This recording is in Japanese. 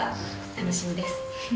楽しみです。